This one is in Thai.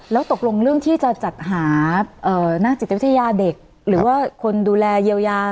แล้วตกลงเรื่องที่จะจัดหานักจิตวิทยาเด็กหรือว่าคนดูแลเยียวยา